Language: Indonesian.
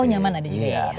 oh nyaman ada juga